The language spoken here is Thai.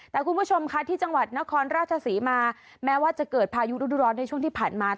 แต่คุณผู้ชมค่ะที่จังหวัดนครราชศรีมาแม้ว่าจะเกิดพายุฤดูร้อนในช่วงที่ผ่านมา